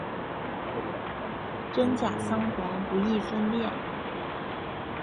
真假桑黄不易分辨。